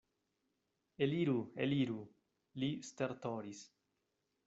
Eliru, eliru, li stertoris.